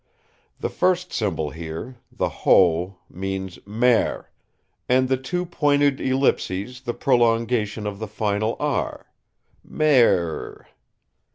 The first symbol here, the hoe, means 'mer', and the two pointed ellipses the prolongation of the final r: mer r r.